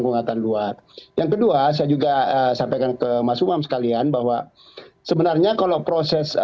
kekuatan luar yang kedua saya juga sampaikan ke mas umam sekalian bahwa sebenarnya kalau proses